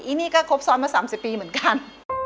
นี่ก็ครบซ้อนมา๓๐ปีเหมือนกัน